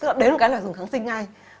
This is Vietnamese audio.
tức là đến một cái là dùng kháng sinh ngay